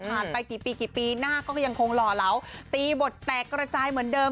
ไปกี่ปีกี่ปีหน้าก็ยังคงหล่อเหลาตีบทแตกกระจายเหมือนเดิม